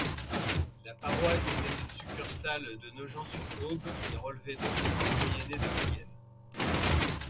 La paroisse était une succursale de Nogent-sur-Aube et relevait donc du doyenné de Brienne.